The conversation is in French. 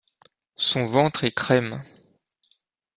Son ventre est crème.